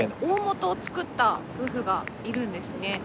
大本を作った夫婦がいるんですね。